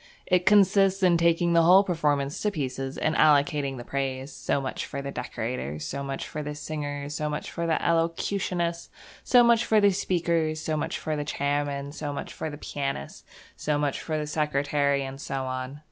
It consists in taking the whole performance to pieces and allocating the praise. So much for the decorators; so much for the singers; so much for the elocutionists; so much for the speakers; so much for the chairman; so much for the pianist; so much for the secretary; and so on.